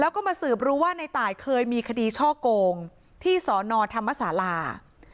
แล้วก็มาสืบรู้ว่าในตายเคยมีคดีช่อโกงที่สนธรรมศาลา